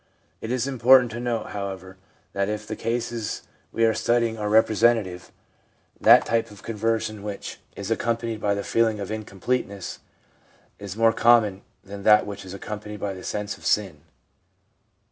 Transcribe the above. It is important to note, however, that if the cases we are studying are representative, that type of conversion which 88 THE PSYCHOLOGY OF RELIGION is accompanied by the feeling of incompleteness is more common than that which is accompanied by the sense of sin.